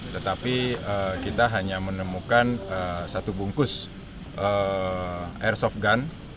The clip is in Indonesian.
tetapi kita hanya menemukan satu bungkus airsoft gun